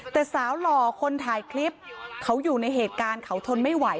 แต่สาวหล่อคนถ่ายคลิปเขาอยู่ในเหตุการณ์เขาทนไม่ไหว